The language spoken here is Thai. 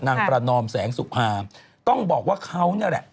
ประนอมแสงสุภาต้องบอกว่าเขาเนี่ยแหละ